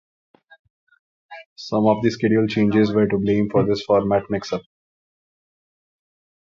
Some of the schedule changes were to blame for this format mix-up.